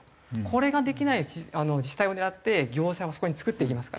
これができない自治体を狙って業者はそこに作っていきますから。